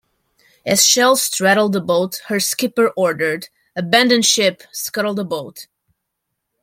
As shells straddled the boat, her skipper ordered, Abandon ship, scuttle the boat.